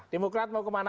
demokrat mau kemana ini